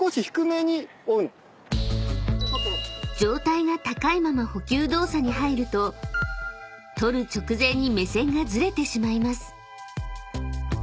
［上体が高いまま捕球動作に入ると捕る直前に目線がずれてしまいます］